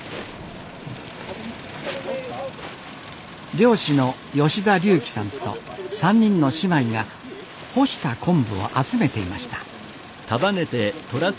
漁師の吉田龍希さんと３人の姉妹が干した昆布を集めていました。